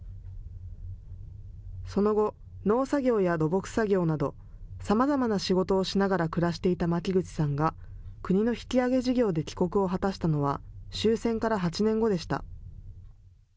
その後、農作業や土木作業などさまざまな仕事をしながら暮らしていた巻口さんが国の引き揚げ事業で帰国を果たしたのは終戦から８年後でした。